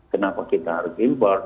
kenapa kita harus impor